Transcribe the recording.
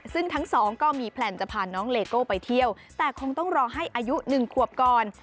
ซึ่งทั้งสองก็มีแพลนจะพาน้องเลโก้ไปเที่ยวแต่คงต้องรอให้อายุ๑ขวบก่อน